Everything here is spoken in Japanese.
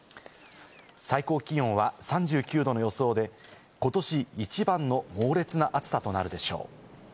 最高気温は３９度の予想で、ことし一番の猛烈な暑さとなるでしょう。